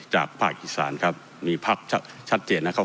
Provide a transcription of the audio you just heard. จากภาคอีสานครับมีภาพชัดเจนนะครับ